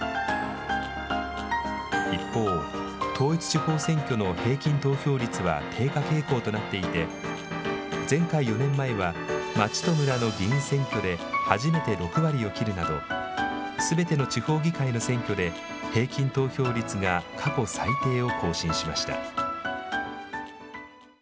一方、統一地方選挙の平均投票率は低下傾向となっていて、前回・４年前は、町と村の議員選挙で初めて６割を切るなど、すべての地方議会の選挙で平均投票率が過去最低を更新しました。